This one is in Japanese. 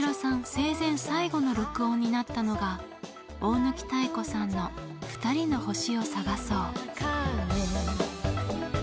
生前最後の録音になったのが大貫妙子さんの「ふたりの星をさがそう」。